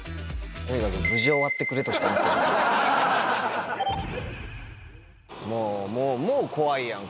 とにかく無事で終わってくれとしか思ってません。